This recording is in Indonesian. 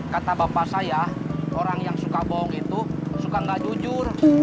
kata bapak saya orang yang suka bohong itu suka nggak jujur